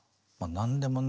何でもね